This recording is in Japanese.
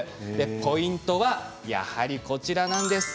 ポイントは、やはりこちらなんです。